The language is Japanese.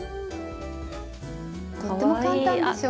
とっても簡単でしょ。